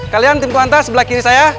kalian tim kuanta sebelah kiri saya